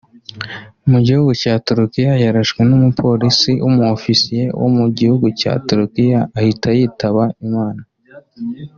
Mu gihugu cya Turukiya yarashwe n'umupolisi w'Umu-ofisiye wo mu gihugu cya Turukiya ahita yitaba Imana